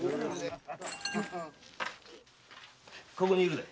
ここにいるぜ。